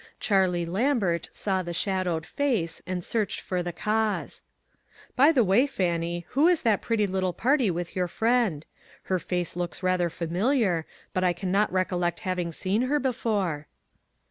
Charlie Lambert saw the shadowed face, and searched for the cause. "By the way, Fannie, who is that pretty little party with your friend? Her face 72 ONE COMMONPLACE DAY. looks rather familiar, but I can not recollect having seen her before?"